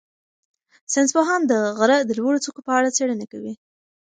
ساینس پوهان د غره د لوړو څوکو په اړه څېړنه کوي.